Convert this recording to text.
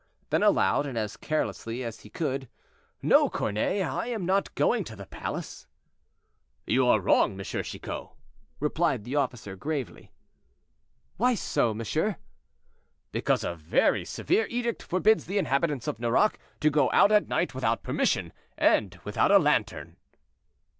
Then aloud, and as carelessly as he could, "No, cornet, I am not going to the palace." "You are wrong, M. Chicot," replied the officer, gravely. "Why so, monsieur?" "Because a very severe edict forbids the inhabitants of Nerac to go out at night without permission and without a lantern."